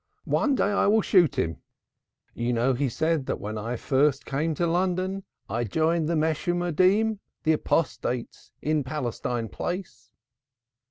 One day I will shoot him. You know he said that when I first came to London I joined the Meshumadim in Palestine Place."